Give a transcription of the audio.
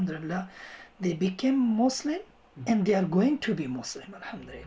dan mereka akan menjadi muslim alhamdulillah